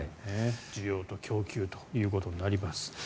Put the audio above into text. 需要と供給ということになります。